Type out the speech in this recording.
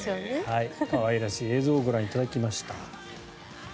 可愛らしい映像をご覧いただきました。